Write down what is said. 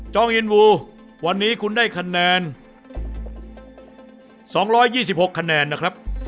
องอินวูวันนี้คุณได้คะแนน๒๒๖คะแนนนะครับ